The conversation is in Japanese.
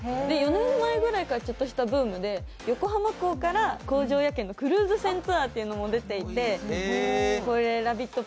４年ぐらい前からちょっとしたブームで横浜港から工場夜景のクルーズ船ツアーというのも出ていて、「ラヴィット！」